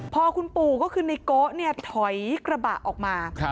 พอคุณปู่ก็ขึ้นในเกาะถอยกระบะออกมา